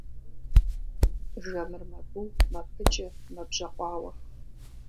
Жэмыр мэбу, мэпыджэ, мэбжьэкъуауэ.